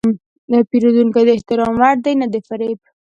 پیرودونکی د احترام وړ دی، نه د فریب.